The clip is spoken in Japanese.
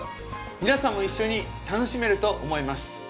皆さんも一緒に楽しめると思います。